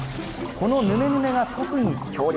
このヌメヌメが特に強力！